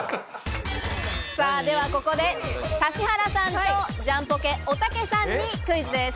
ではここで指原さんとジャンポケ・おたけさんにクイズです。